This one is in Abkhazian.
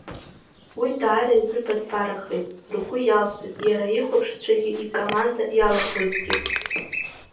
Уи даара ирзымбатәбарахеит, ргәы иалсит иара ихәаԥшцәагьы, икоманда иалахәызгьы.